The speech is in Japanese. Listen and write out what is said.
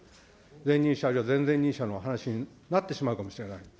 前任者あるいは前々任者の話になってしまうかもしれない。